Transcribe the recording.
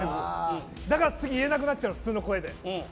だから、次言えなくなっちゃうの普通の声で。